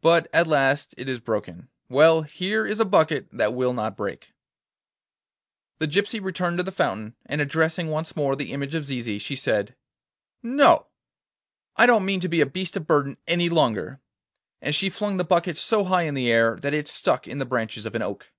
'But at last it is broken. Well, here is a bucket that will not break.' The gypsy returned to the fountain, and addressing once more the image of Zizi, she said: 'No; I don't mean to be a beast of burden any longer.' And she flung the bucket so high in the air that it stuck in the branches of an oak.